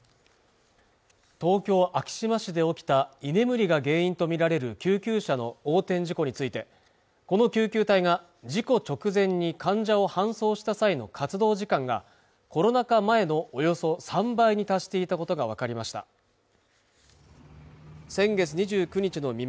東京昭島市で起きた居眠りが原因と見られる救急車の横転事故についてこの救急隊が事故直前に患者を搬送した際の活動時間がコロナ禍前のおよそ３倍に達していたことが分かりました先月２９日の未明